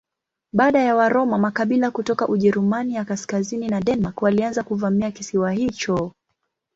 Baada ya Waroma makabila kutoka Ujerumani ya kaskazini na Denmark walianza kuvamia kisiwa hicho.